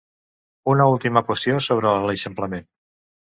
Una última qüestió sobre l’eixamplament.